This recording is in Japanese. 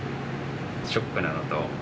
ショックなのと。